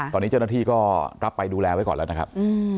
ตอนนี้เจ้าหน้าที่ก็รับไปดูแลไว้ก่อนแล้วนะครับ